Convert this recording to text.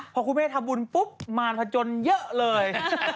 พอคุณแม่ทำบุญปุ๊บมารพจนเยอะเลย